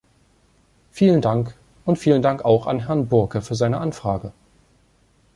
Vielen Dank, und vielen Dank auch an Herrn Burke für seine Anfrage.